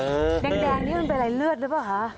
แดงนี่มันเป็นอะไรเลือดหรือเปล่าคะ